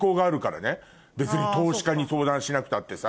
別に投資家に相談しなくたってさ。